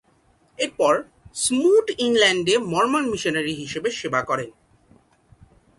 এরপর, স্মুট ইংল্যান্ডে Mormon missionary হিসেবে সেবা করেন।